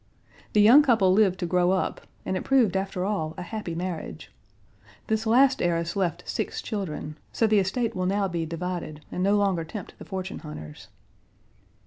The young couple lived to grow up, and it proved after all a happy marriage. This last heiress left six children; so the estate will now be divided, and no longer tempt the fortune hunters.